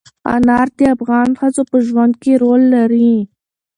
انار د افغان ښځو په ژوند کې رول لري.